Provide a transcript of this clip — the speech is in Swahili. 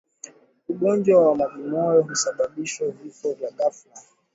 Ugonjwa wa majimoyo husababisha vifo vya ghafla